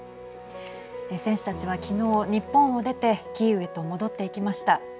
選手たちは昨日、日本を出てキーウへと戻っていきました。